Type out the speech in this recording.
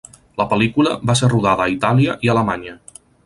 La pel·lícula va ser rodada a Itàlia i Alemanya.